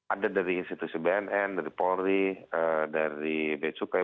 ada dari institusi bnn dari polri dari becukai